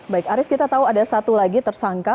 baik arief kita tahu ada satu lagi tersangka